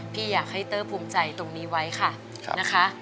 พี่อยากให้เตอร์ภูมิใจตรงนี้ไว้ค่ะนะคะ